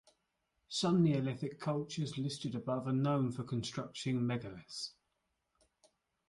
Some Neolithic cultures listed above are known for constructing megaliths.